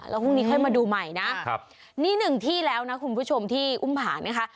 แล้วพรุ่งนี้ค่อยมาดูใหม่นะนี่หนึ่งที่แล้วนะคุณผู้ชมที่อุ้มผานะคะ